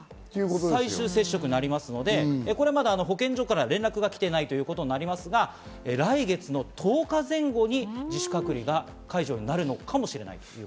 最終接触になりますので、まだ保健所から連絡が来ていないということになりますが、来月の１０日前後に自主隔離が解除になるのかもしれない。